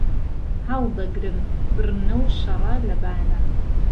ههڵدهگرم بڕنهو شهڕه له بانه